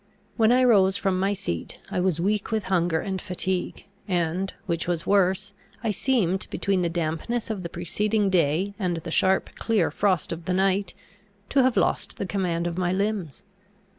When I rose from my seat, I was weak with hunger and fatigue, and, which was worse, I seemed, between the dampness of the preceding day and the sharp, clear frost of the night, to have lost the command of my limbs.